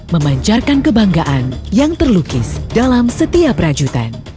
memancarkan kebanggaan yang terlukis dalam setiap rajutan